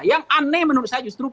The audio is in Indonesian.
yang aneh menurut saya justru